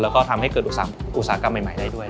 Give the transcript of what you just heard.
แล้วก็ทำให้เกิดอุตสาหกรรมใหม่ได้ด้วย